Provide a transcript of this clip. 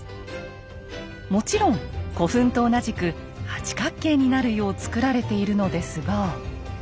もちろん古墳と同じく八角形になるようつくられているのですが。